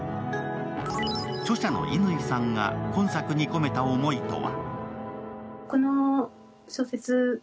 著者の乾さんが今作に込めた思いとは？